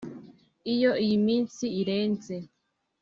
Iyo iyi minsi irenze